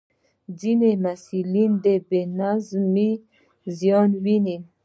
ځینې محصلین د بې نظمۍ زیان ویني.